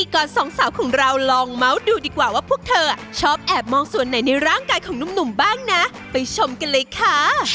ก่อนสองสาวของเราลองเมาส์ดูดีกว่าว่าพวกเธอชอบแอบมองส่วนไหนในร่างกายของหนุ่มบ้างนะไปชมกันเลยค่ะ